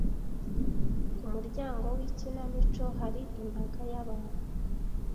Ku muryango w’ikinamico hari imbaga y'abantu.